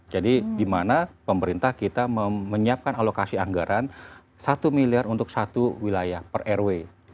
jadi dimana pemerintah kita menyiapkan alokasi anggaran satu miliar untuk satu wilayah per rw